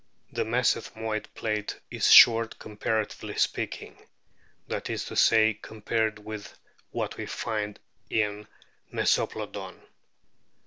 The mesethmoid plate is short comparatively speaking ; that is to say, compared with what we find in Mesoplodon.